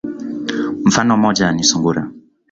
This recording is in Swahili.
Mfano moja ni sungura.